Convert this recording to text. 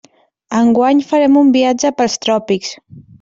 Enguany farem un viatge pels tròpics.